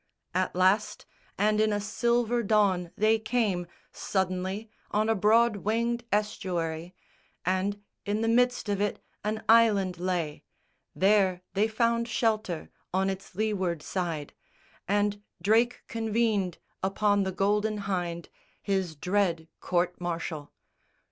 At last, and in a silver dawn, they came Suddenly on a broad winged estuary, And, in the midst of it, an island lay, There they found shelter, on its leeward side, And Drake convened upon the Golden Hynde His dread court martial.